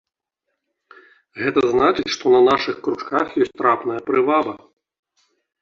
Гэта значыць, што на нашых кручках ёсць трапная прываба.